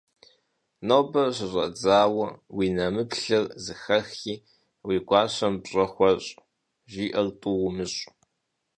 - Нобэ щыщӀэдзауэ уи нэмыплъыр зыхэни, уи гуащэм пщӀэ хуэщӀ, жиӀэр тӀу умыщӀ.